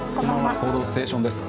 「報道ステーション」です。